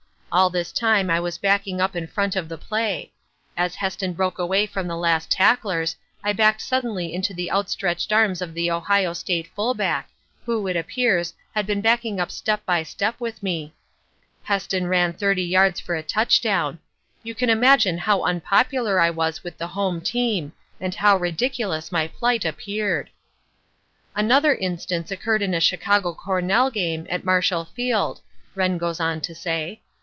All this time I was backing up in front of the play. As Heston broke away from the last tacklers, I backed suddenly into the outstretched arms of the Ohio State fullback, who, it appears, had been backing up step by step with me. Heston ran thirty yards for a touchdown. You can imagine how unpopular I was with the home team, and how ridiculous my plight appeared. "Another instance occurred in a Chicago Cornell game at Marshall Field," Wrenn goes on to say.